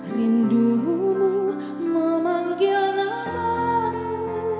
rindumu memanggil namamu